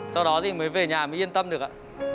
sau đó thì mới về nhà mới yên tâm được ạ